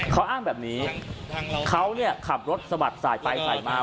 เขาอ้างแบบนี้เขาเนี่ยขับรถสะบัดสายไปสายมา